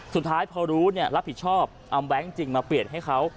สุดท้ายพอรู้รับผิดชอบเอาแบงค์จริงมาเปลี่ยนให้เขา